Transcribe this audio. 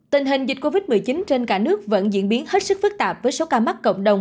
tình hình dịch covid một mươi chín trên cả nước vẫn diễn biến hết sức phức tạp với số ca mắc cộng đồng